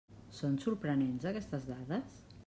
Són sorprenents aquestes dades?